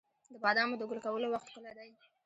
د بادامو د ګل کولو وخت کله دی؟